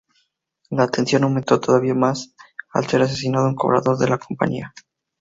La tensión aumentó todavía más al ser asesinado un cobrador de la compañía.